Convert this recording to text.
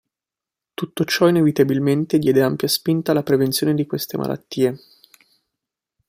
Tutto ciò inevitabilmente diede ampia spinta alla prevenzione di queste malattie.